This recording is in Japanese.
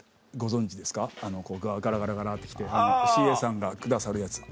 ガラガラガラって来てＣＡさんが下さるやつ。